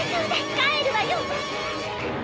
帰るわよ！